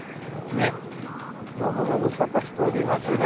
どうもご無沙汰しておりますね。